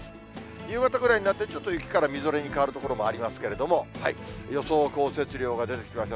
夕方ぐらいになって、ちょっと雪からみぞれに変わる所もありますけれども、予想降雪量が出てきました。